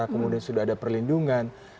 kemudian sudah ada perlindungan